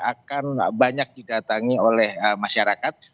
akan banyak didatangi oleh masyarakat